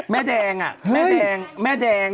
แม่แดงอะแม่แดง